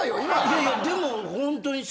いやいやでもホントにそうよね。